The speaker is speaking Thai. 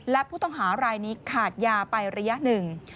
และผู้ต้องหารายนี้ขาดยาไประยะหนึ่ง